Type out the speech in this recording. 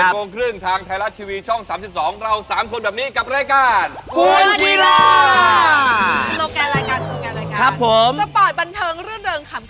สปอร์ตบันเทิงเรื่องเริ่มขำกระจายสไตล์เมาท์